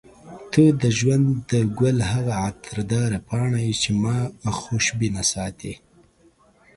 ته د ژوند د ګل هغه عطرداره پاڼه یې چې ما خوشبوینه ساتي.